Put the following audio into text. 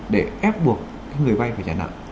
để ép buộc người vai phải trả nợ